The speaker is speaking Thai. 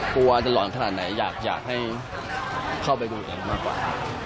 กลัวจะหลอนขนาดไหนอยากให้เข้าไปดูกันมากกว่า